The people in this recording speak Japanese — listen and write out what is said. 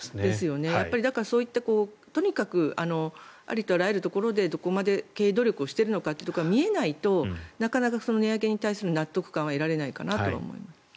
だから、そういったありとあらゆるところでどこまで経営努力をしているのかというのが見えないとなかなか値上げに対する納得感は得られないと思います。